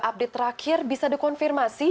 update terakhir bisa dikonfirmasi